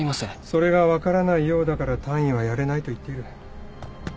それが分からないようだから単位はやれないと言っている。